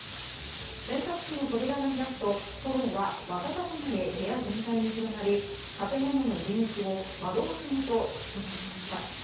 洗濯機の扉が開くと炎は瞬く間に部屋全体に広がり建物の入り口を窓枠ごと吹き飛ばしました。